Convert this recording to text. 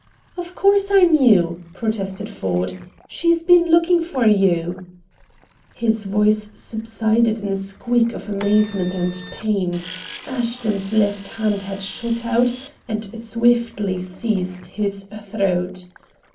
"Of course I knew," protested Ford. "She's been looking for you " His voice subsided in a squeak of amazement and pain. Ashton's left hand had shot out and swiftly seized his throat.